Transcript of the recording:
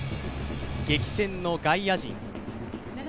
激戦の外野陣。